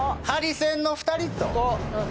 ハリセンの２人と。